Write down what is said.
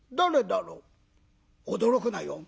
「驚くなよ。